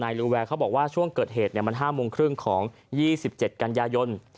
นายรุแวเขาบอกว่าช่วงเกิดเหตุเนี้ยมันห้ามงครึ่งของยี่สิบเจ็ดกันยายน